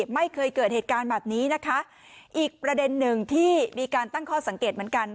ไม่เคยเกิดเหตุการณ์แบบนี้นะคะอีกประเด็นหนึ่งที่มีการตั้งข้อสังเกตเหมือนกัน